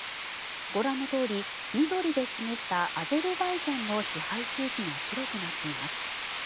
ご覧のとおり、緑で示したアゼルバイジャンの支配地域が広くなっています。